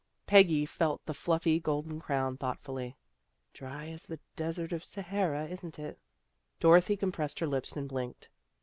Peggy felt the fluffy golden crown thought fully. " Dry as the Desert of Sahara, isn't it?" Dorothy compressed her lips and blinked.